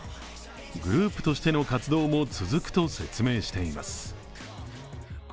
グループとしての活動も続くと説明しています。